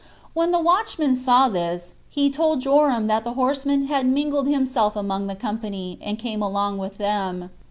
When the watchman saw this, he told Joram that the horseman had mingled himself among the company, and came along with them.